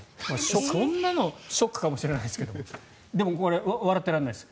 ショックかもしれないですけどでも、笑ってられないです。